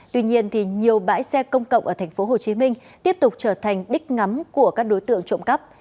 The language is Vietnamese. tuy nhiên nhiều bãi xe công cộng ở tp hcm tiếp tục trở thành đích ngắm của các đối tượng trộm cắp